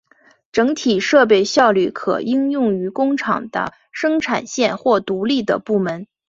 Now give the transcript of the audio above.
整体设备效率可应用于工厂的生产线或独立的部门。